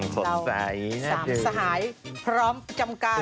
สดใสสหายพร้อมจำการ